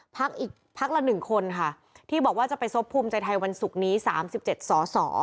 อีกพักละ๑คนค่ะที่บอกว่าจะไปซบภูมิใจไทยวันศุกร์นี้๓๗สอสอ